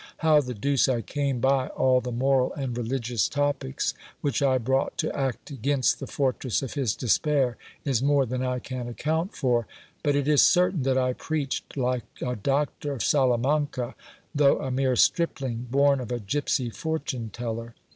How the deuce I came by all the moral and religious topics, which I brought to act against the fortress of his despair, is more than I can account for; but it is certain that I preached like a doctor of Salamanca, though a mere stripling, born of a gipsy fortune teller.